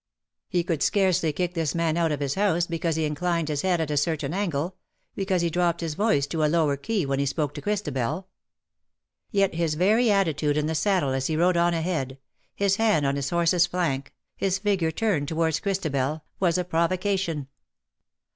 He could scarcely kick tins man out of his house because he inclined his head at a certain angle — because he dropped his voice to a lower key when he spoke to Christabel. Yet his very attitude in the saddle as he rode on ahead — his hand on his horse^s flank^ his figure turned towards Christabel — was a provocation.